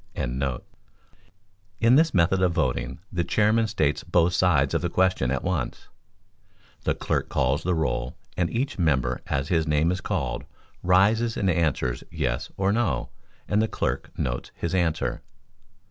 ] In this method of voting the Chairman states both sides of the question at once; the clerk calls the roll and each member as his name is called rises and answers yes or no, and the clerk notes his answer.